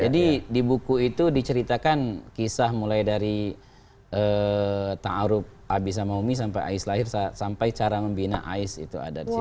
jadi di buku itu diceritakan kisah mulai dari ta'arub abi sama umi sampai ais lahir sampai cara membina ais itu ada di situ